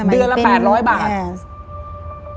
เดือนละ๘๐๐บาท